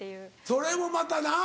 それもまたなぁ。